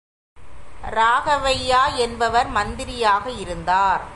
ராகவையா என்பவர் மந்திரியாக இருந்தார்.